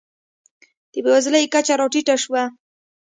د بېوزلۍ کچه راټیټه شوه.